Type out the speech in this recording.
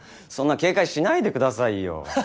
そんな警戒しないでくださいよ。